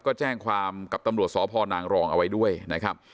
ก็แจ้งความกับตำรวจสพนางรองเอาไว้ด้วยนะครับ